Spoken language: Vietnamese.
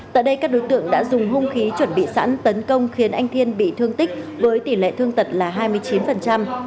tại đây các đối tượng đã dùng hung khí chuẩn bị sẵn tấn công khiến anh thiên bị thương tích với tỷ lệ thương tật là hai mươi chín